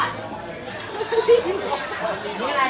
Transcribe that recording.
อันนี้อะไร